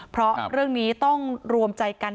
เพราะเรื่องนี้ต้องรวมใจกัน